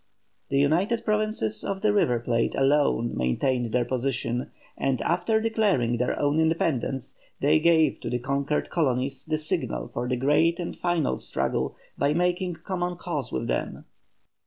The United Provinces of the River Plate alone maintained their position, and after declaring their own independence they gave to the conquered colonies the signal for the great and final struggle by making common cause with them.